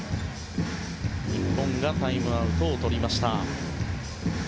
日本がタイムアウトをとりました。